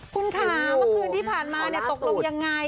คุณค่ะเมื่อคืนที่ผ่านมาตกลงยังไง